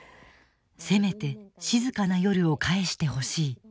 「せめて静かな夜を返してほしい」。